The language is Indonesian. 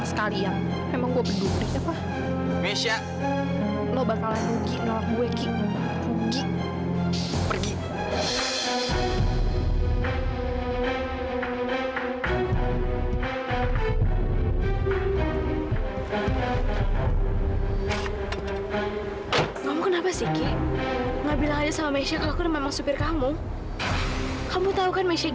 sampai jumpa di video selanjutnya